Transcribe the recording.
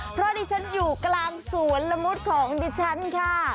เพราะดิฉันอยู่กลางสวนละมุดของดิฉันค่ะ